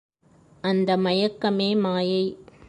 அந்த மயக்கமே மாயை.